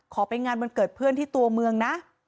ไปงานวันเกิดเพื่อนที่ตัวเมืองนะ